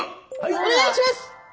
お願いします！